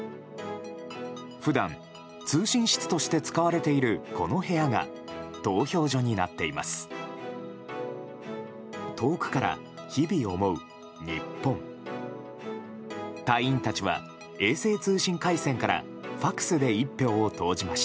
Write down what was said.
普段、通信室として使われているこの部屋が投票所になっています。